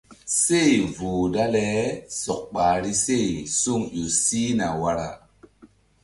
Seh voh dale sɔk ɓahri se suŋ ƴo sihna wara.